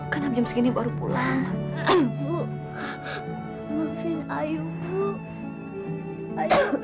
kan abis ini baru pulang